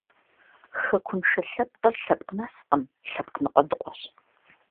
Хэкуншэ лъэпкъыр лъэпкъ нэскъым, лъэпкъ ныкъуэдыкъуэщ.